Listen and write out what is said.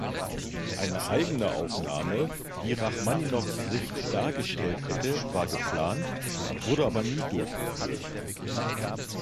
Eine eigene Aufnahme, die Rachmaninows Sicht dargestellt hätte, war geplant, wurde aber nie durchgeführt.